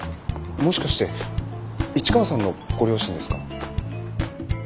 もしかして市川さんのご両親ですか？